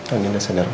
andin udah sadar ma